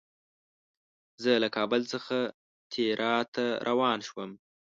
زه له کابل څخه تیراه ته روان شوم.